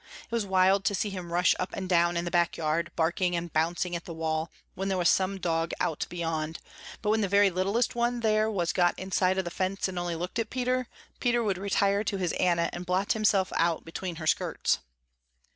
It was wild to see him rush up and down in the back yard, barking and bouncing at the wall, when there was some dog out beyond, but when the very littlest one there was got inside of the fence and only looked at Peter, Peter would retire to his Anna and blot himself out between her skirts.